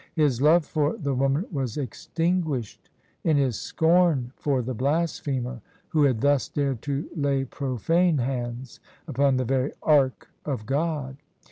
His love for the woman was extinguished in his scorn for the blasphemer who had thus dared to lay profane hands upon the very Ark of God.